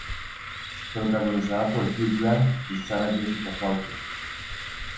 Protagonizada por Hugh Grant y Sarah Jessica Parker.